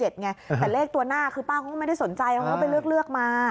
แต่เลขตัวหน้าคือป้าเขาก็ไม่ได้สนใจเขาก็ไปเลือกมา